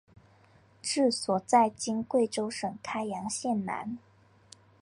治所在今贵州省开阳县南。